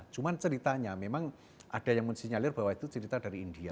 cuma ceritanya memang ada yang mensinyalir bahwa itu cerita dari india